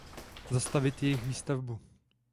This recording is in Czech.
Zastavit jejich výstavbu.